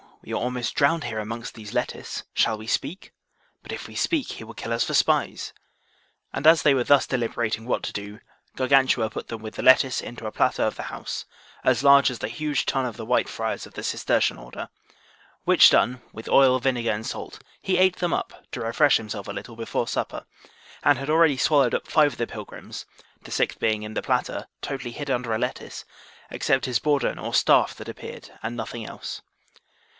We are almost drowned here amongst these lettuce, shall we speak? But if we speak, he will kill us for spies. And, as they were thus deliberating what to do, Gargantua put them with the lettuce into a platter of the house, as large as the huge tun of the White Friars of the Cistercian order; which done, with oil, vinegar, and salt, he ate them up, to refresh himself a little before supper, and had already swallowed up five of the pilgrims, the sixth being in the platter, totally hid under a lettuce, except his bourdon or staff that appeared, and nothing else.